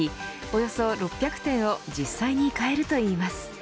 およそ６００点を実際に買えるといいます。